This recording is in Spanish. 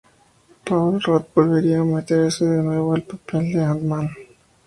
Paul Rudd volvería para meterse de nuevo en el papel de Ant Man.